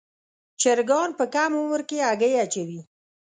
چرګان په کم عمر کې هګۍ اچوي.